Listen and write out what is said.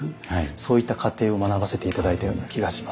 そういった過程を学ばせて頂いたような気がします。